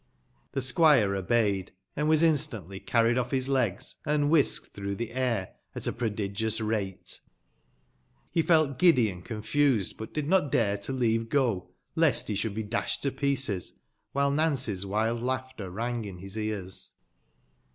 The squire obeyed, and was instantly carried off his legs, and whisked through the air at a prodigious rate. He feit giddy and confused, but did not dare to leave go, lest THE LANCASHIRE WITCHES. 465 he sliould be dasHed to pieoes, while Nance's wild laugHter rang in liis ears.